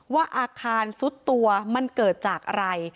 ว่าอาคารซุดตัวมันเกิดจากอะไร